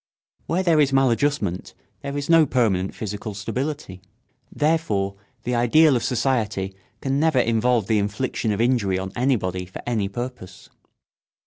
Where there is maladjustment there is no permanent physical stability. Therefore the ideal of society can never involve the infliction of injury on anybody for any purpose.